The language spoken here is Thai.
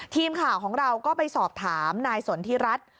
ทีมข่าวของเราก็ไปสอบถามนายสนทิรัฐ